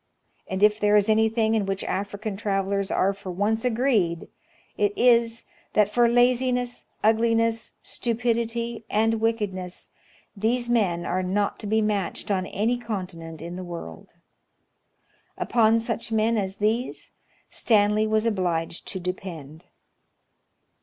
And if there is any thing in which African travelers are for once agreed, it is, that for laziness, ugliness, stupidity, and wickedness, these men are not to be matched on any continent in the world." Upon such men as these Stanley was obliged to depend.